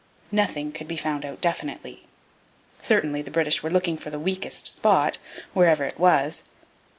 Nothing could be found out definitely. Certainly the British were looking for the weakest spot, wherever it was.